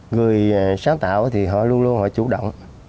người sáng tạo thì họ luôn luôn họ chủ động